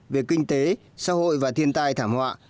về kinh tế xã hội và thiên tai thảm họa